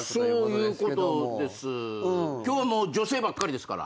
今日もう女性ばっかりですから。